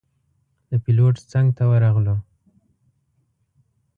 د پېلوټ څنګ ته ورغلو.